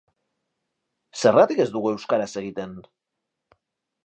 Zergatik ez dugu euskaraz egiten?